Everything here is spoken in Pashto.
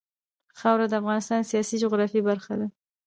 خاوره د افغانستان د سیاسي جغرافیه برخه ده.